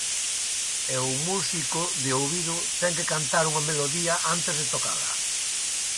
E o músico de ouvido ten que cantar unha melodía antes de tocala.